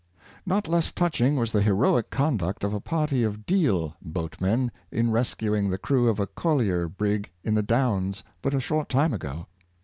Not less touching was the heroic conduct of a party of Deal boatmen in rescuing the crew of a collier brig in the Downs but a short time ago.